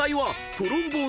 トロンボーン！